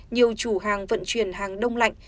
nhiều chủ hàng vận chuyển hàng đông lạnh